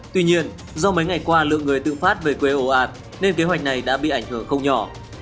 tuy nhiên do mấy ngày qua lượng người tự phát về quê ồ ạt nên kế hoạch này đã bị ảnh hưởng không nhỏ